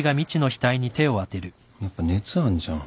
やっぱ熱あんじゃん。